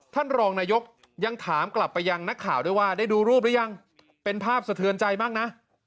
ท่านรองนายกยังถามกลับไปยังนักข่าวด้วยว่าได้ดูรูปหรือยังเป็นภาพสะเทือนใจมากนะ